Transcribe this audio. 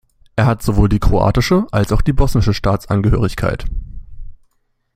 Er hat sowohl die kroatische als auch die bosnische Staatsangehörigkeit.